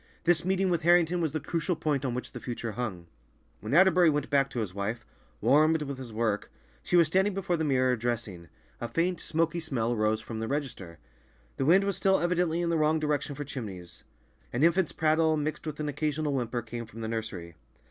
This meeting with Harrington was the crucial point on which the future hung. When Atterbury went back to his wife, warmed with his work, she was standing before the mirror, dressing; a faint, smoky smell arose from the register. The wind was still evidently in the wrong direction for chimneys. An infant's prattle, mixed with an occasional whimper, came from the nursery.